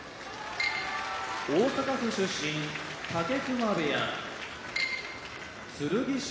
大阪府出身武隈部屋千代翔